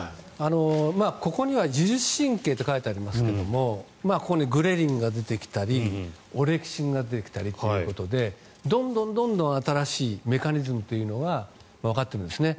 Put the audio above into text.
ここには自律神経って書いてありますけどここにグレリンが出てきたりオレキシンが出てきたりということでどんどん新しいメカニズムというのはわかってるんですね。